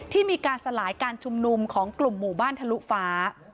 ที่มีการสลายการชุมนุมของกลุ่มหมู่บ้านทะลุฟ้า